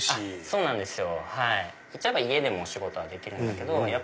そうなんですよ。